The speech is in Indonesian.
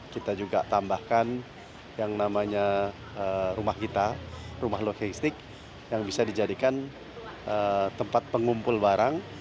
kita juga tambahkan yang namanya rumah kita rumah logistik yang bisa dijadikan tempat pengumpul barang